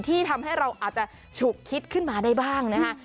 ที่ทำให้เราอาจจะฉุกคิดขึ้นมาได้บ้างนะคะ